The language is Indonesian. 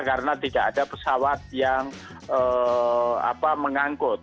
karena tidak ada pesawat yang mengangkut